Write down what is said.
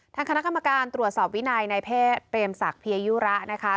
ทางคณะกรรมการตรวจสอบวินัยในแพทย์เปรมศักดิยยุระนะคะ